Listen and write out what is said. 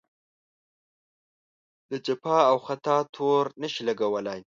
د جفا او خطا تور نه شي لګولای.